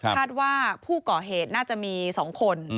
คาดว่าผู้ก่อเหตุน่าจะมี๒คน